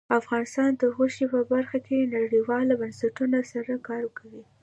افغانستان د غوښې په برخه کې نړیوالو بنسټونو سره کار کوي.